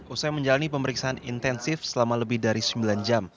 usai menjalani pemeriksaan intensif selama lebih dari sembilan jam